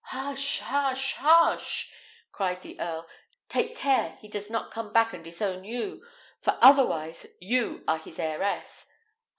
"Hush! hush! hush!" cried the earl; "take care he does not come back and disown you, for otherwise you are his heiress."